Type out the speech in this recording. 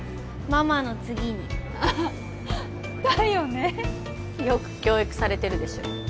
ママの次にああだよねよく教育されてるでしょ